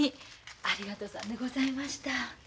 ありがとさんでございました。